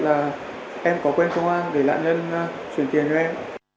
là em có quen công an để nạn nhân chuyển tiền cho em